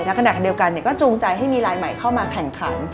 ขณะเดียวกันก็จูงใจให้มีลายใหม่เข้ามาแข่งขัน